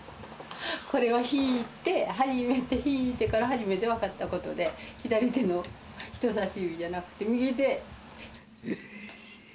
これは弾いて、初めて弾いてから、初めて分かったことで、左手の人さし指じゃなくて、右手。